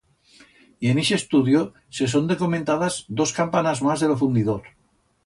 Y en ixe estudio se son documentadas dos campanas mas de lo fundidor.